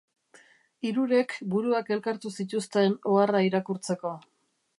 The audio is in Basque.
Hirurek buruak elkartu zituzten oharra irakurtzeko.